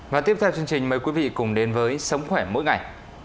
và tiếp theo chương trình mời quý vị cùng đến với sống khỏe mỗi ngày